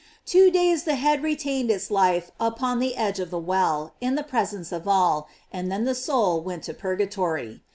Two days the head retained its life upon the edge of the well, in the presence of all, and then the soul went to purgatory.